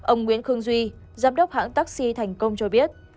ông nguyễn khương duy giám đốc hãng taxi thành công cho biết